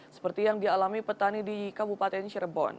seperti yang dialami petani di kabupaten cirebon